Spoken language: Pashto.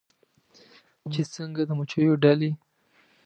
چې څنګه د مچېو ډلې